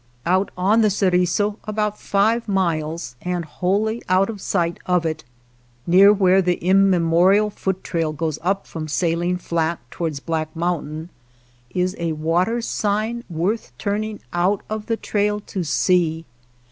Out on the Ceriso about five miles, and wholly out of sight of it, near where the immemorial foot trail goes up from Saline Flat toward Black Mountain, js ^ wate.L sio^n worth turninsf out of the trail to see.